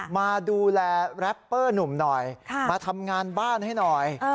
มาดูแลแร็ปเปอร์หนุ่มหน่อยมาทำงานบ้านให้หน่อย